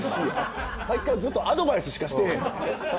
さっきからずっとアドバイスしかしてへん。